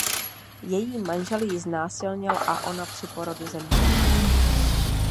Její manžel ji znásilnil a ona při porodu zemřela.